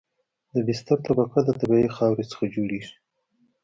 د بستر طبقه د طبیعي خاورې څخه جوړیږي